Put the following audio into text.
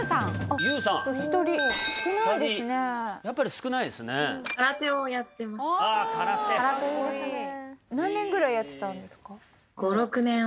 あっ空手・空手いいですね何年ぐらいやってたんですか？